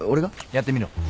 やってみろ。